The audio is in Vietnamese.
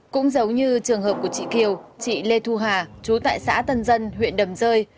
cũng giống như trường hợp của chị kiều chị lê thu hà chú tại xã tân dân huyện đầm rơi